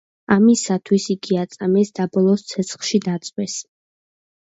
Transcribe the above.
ამისათვის იგი აწამეს, დაბოლოს, ცეცხლში დაწვეს.